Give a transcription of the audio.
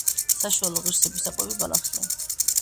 საშუალო ღირსების საკვები ბალახია.